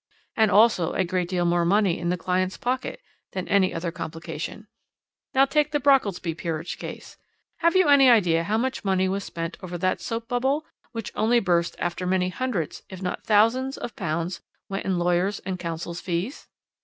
"And also a great deal more money in the client's pocket than any other complication. Now, take the Brockelsby peerage case. Have you any idea how much money was spent over that soap bubble, which only burst after many hundreds, if not thousands, of pounds went in lawyers' and counsels' fees?"